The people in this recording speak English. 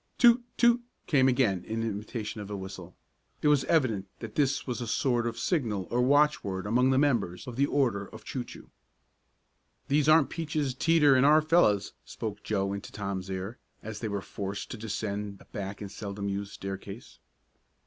"Toot Toot!" came again in imitation of a whistle. It was evident that this was a sort of signal or watchword among the members of the Order of Choo Choo. "These aren't Peaches, Teeter, and our fellows," spoke Joe into Tom's ear as they were forced to descend a back and seldom used staircase.